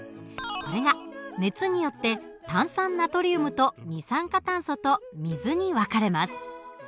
これが熱によって炭酸ナトリウムと二酸化炭素と水に分かれます。